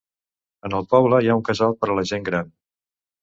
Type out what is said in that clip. En el poble hi ha un casal per a la gent gran.